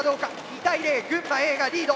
２対０群馬Ａがリード。